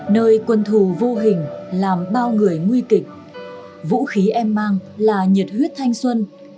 nơi quân thù vô hình làm bao người nguy kịch vũ khí em mang là nhiệt huyết thanh xuân